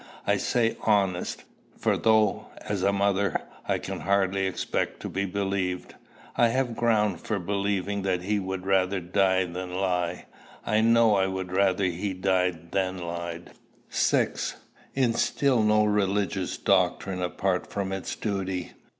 I say honest; for though, as a mother, I can hardly expect to be believed, I have ground for believing that he would rather die than lie. I know I would rather he died than lied. 6. Instil no religious doctrine apart from its duty.